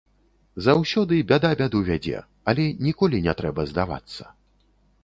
Заўсёды бяда бяду вядзе, але ніколі не трэба здавацца.